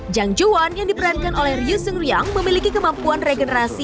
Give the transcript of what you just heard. jang jong won yang diperankan oleh ryu seung ryung memiliki kemampuan regenerasi